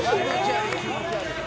気持ち悪い。